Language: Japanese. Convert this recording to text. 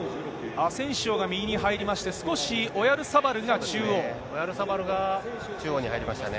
アセンシオが右に入りまして、オヤルサバルが中央に入りましたね。